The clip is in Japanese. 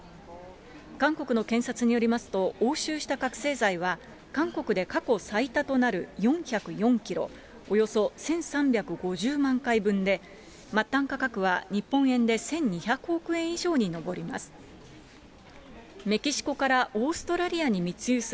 韓国の検察によりますと、押収した覚醒剤は、韓国で過去最多となる４０４キロ、およそ１３５０万回分で、末端価格は日本円で１２００億円以上に上ります。